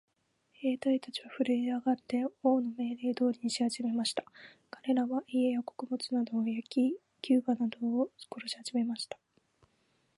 兵隊たちはふるえ上って、王の命令通りにしはじめました。かれらは、家や穀物などを焼き、牛馬などを殺しはじめました。